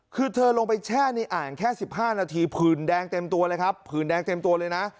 คือเธอลงไปแช่ในอ่างแค่๑๕นาทีผื่นแดงเต็มตัวเลยครับผื่นแดงเต็มตัวเลยนะ